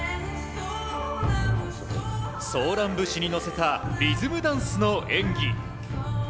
「ソーラン節」に乗せたリズムダンスの演技。